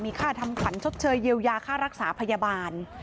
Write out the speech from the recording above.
ค่าทำขวัญชดเชยเยียวยาค่ารักษาพยาบาล